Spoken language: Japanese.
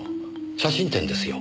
写真展ですよ。